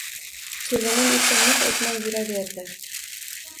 Kelinim esa miq etmay yuraverdi